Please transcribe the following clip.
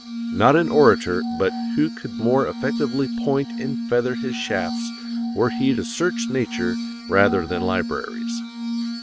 Not an orator but who could more effectively point and feather his shafts were he to search nature rather than libraries.